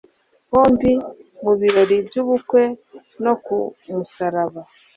Hombi mu birori by’ubukwe no ku musaraba,